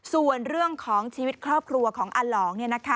ส่วนเรื่องของชีวิตครอบครัวของอลอง